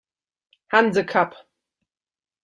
Hanse Cup